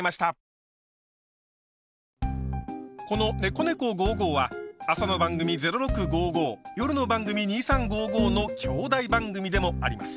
この「ねこねこ５５」は朝の番組「０６５５」夜の番組「２３５５」の兄弟番組でもあります。